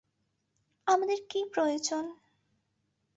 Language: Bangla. আমাদের কী প্রয়োজন?